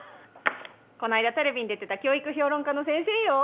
この間テレビに出てた教育評論家の先生よ。